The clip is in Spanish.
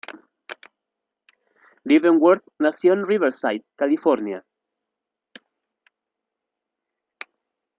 Leavenworth nació en Riverside, California.